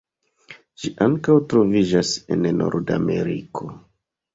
Ĝi ankaŭ troviĝas en Nordameriko.